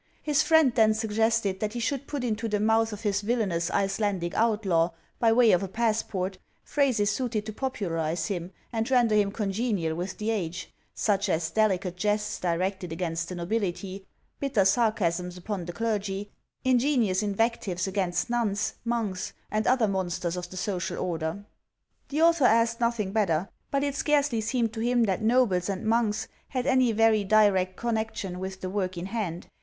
His friend then suggested that he should put into the mouth of his villanous Icelandic outlaw, by way of a passport, phrases suited to popularize him and render him congenial with the age, — such as delicate jests directed against the nobility, bitter sarcasms upon the clergy, ingenious invectives against nuns, monks, and other monsters of the social order. The author asked nothing better ; but it scarcely seemed to him that nobles and monks had any very direct connection with the work in hand.